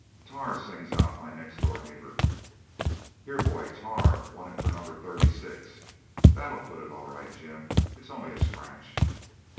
'Tar!' sings out my next door neighbour. 'Here, boy; tar wanted for No. 36. That'll put it all right, Jim; it's only a scratch.'